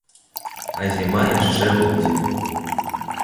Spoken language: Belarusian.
А зіма яшчэ будзе.